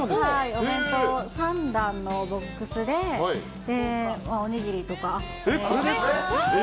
お弁当、３段のボックスでおこれですか？